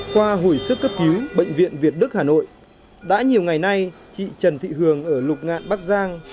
khoa hồi sức cấp cứu bệnh viện việt đức hà nội đã nhiều ngày nay chị trần thị hường ở lục ngạn bắc giang